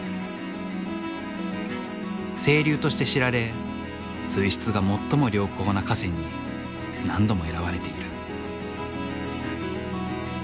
清流として知られ水質が最も良好な河川に何度も選ばれている。